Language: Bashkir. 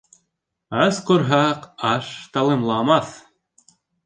Ас ҡорһаҡ аш талымламаҫ.